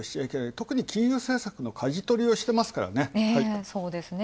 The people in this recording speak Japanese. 特に金融政策のかじとりをしていますからね。